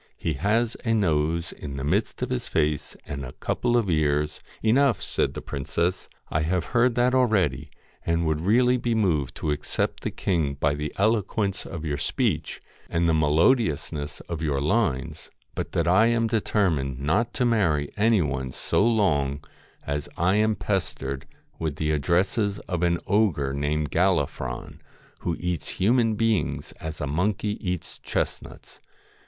He has a nose in the midst of his face, And a couple of ears "' 'Enough,' said the princess,' I have heard that already, and would really be moved to accept the king by the eloquence of your speech and the 175 THE FAIR melodiousness of your lines, but that I am deter MAID mined not to marry any one so long as I am GOLDEN P estered *h tne addresses of an ogre named LOCKS Gallifron, who eats human beings as a monkey eats chestnuts.